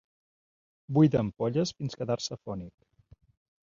Buida ampolles fins quedar-se afònic.